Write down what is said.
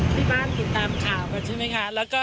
ที่บ้านติดตามข่าวกันใช่ไหมคะ